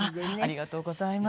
ありがとうございます。